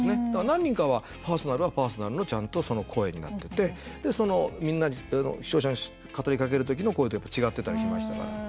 何人かはパーソナルはパーソナルのちゃんとその声になっててで、みんなに視聴者に語りかけるときの声と違ってたりしましたから。